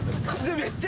めっちゃ。